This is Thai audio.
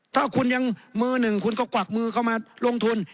ถ้าคุณยังมือหนึ่งคุณก็กวักมือเข้ามาลงทุน